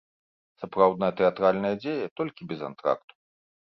Сапраўдная тэатральная дзея, толькі без антракту.